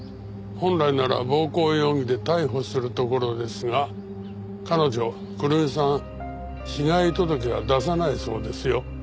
本来なら暴行容疑で逮捕するところですが彼女くるみさん被害届は出さないそうですよ。